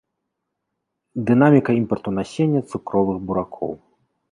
Дынаміка імпарту насення цукровых буракоў.